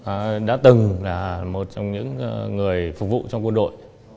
họ đã từng là một trong những người phục vụ trong quân đội